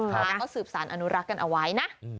แล้วก็สืบสารอนุรักษ์กันเอาไว้นะ